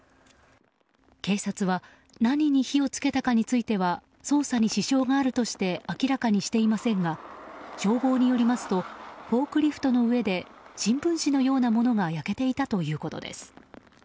警察は何に火を付けたかについては捜査に支障があるとして明らかにしていませんが消防によりますとフォークリフトの上で新聞紙のようなものが焼けていたということです。